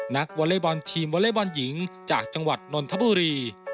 นักวอเลเบอร์นทีมวอเลเบอร์นหญิงจากจังหวัดนนทบุรี